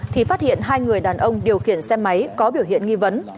thì phát hiện hai người đàn ông điều khiển xe máy có biểu hiện nghi vấn